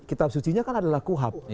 kitab suci nya kan adalah kuhab